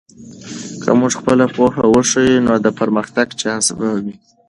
که موږ خپله پوهه وښیو، نو د پرمختګ چانس به وي.